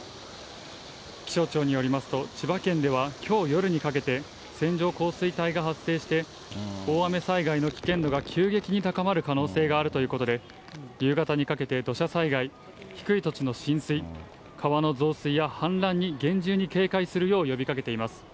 気象庁によりますと、千葉県ではきょう夜にかけて、線状降水帯が発生して、大雨災害の危険度が急激に高まる可能性があるということで、夕方にかけて土砂災害、低い土地の浸水、川の増水や氾濫に厳重に警戒するよう呼びかけています。